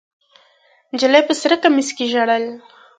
نجلۍ په سره کمیس کې ژړل.